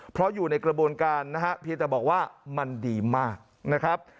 เพราะอยู่ในกระบวนการนะฮะเพียงแต่บอกว่ามันดีมากนะครับ